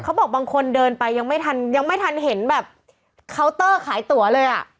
เขาบอกบางคนเดินไปยังไม่ทันเห็นแบบเคานเตอร์ขายตั๋วเลยอะ